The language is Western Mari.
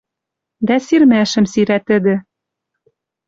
Дӓ сирмӓшӹм сирӓ тӹдӹ: